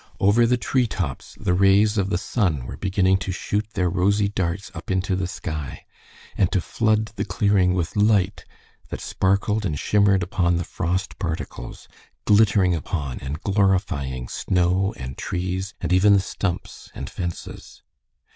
Over the treetops the rays of the sun were beginning to shoot their rosy darts up into the sky, and to flood the clearing with light that sparkled and shimmered upon the frost particles, glittering upon and glorifying snow and trees, and even the stumps and fences.